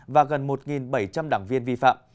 và gần một bảy trăm linh đảng viên vi phạm